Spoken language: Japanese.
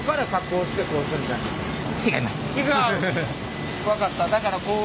違う。